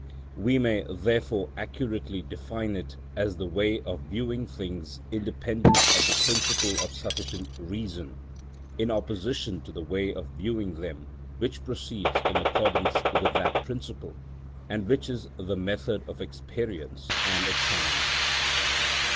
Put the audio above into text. We may, therefore, accurately define it as the way of viewing things independent of the principle of sufficient reason, in opposition to the way of viewing them which proceeds in accordance with that principle, and which is the method of experience and of science.